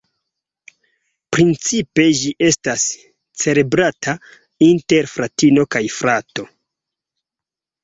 Principe ĝi estas celebrata inter fratino kaj frato.